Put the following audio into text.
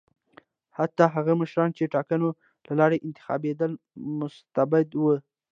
حتی هغه مشران چې ټاکنو له لارې انتخابېدل مستبد وو.